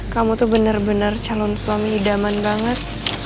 kamu tuh bener bener calon suami idaman banget